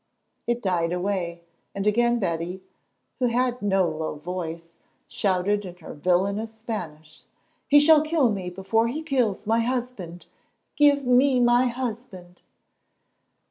It died away, and again Betty, who had no low voice, shouted in her villainous Spanish: "He shall kill me before he kills my husband. Give me my husband!"